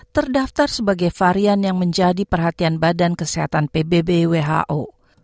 terdaftar sebagai varian yang menjadi perhatian badan kesehatan pbb who